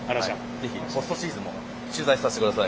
ぜひポストシーズンも取材させてください。